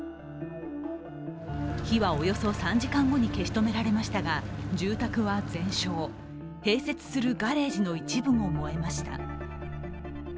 火はおよそ３時間後に消し止められましたが、住宅は全焼、併設するガレージの一部も燃えました。